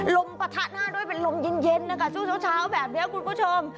ปะทะหน้าด้วยเป็นลมเย็นนะคะช่วงเช้าแบบนี้คุณผู้ชม